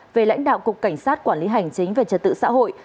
về lãnh đạo cục cảnh sát quản lý hành chính về trật tự xã hội